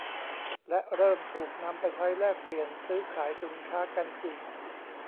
และเริ่มถูกนำไปใช้แลกเปลี่ยนซื้อขายสินค้ากันจริง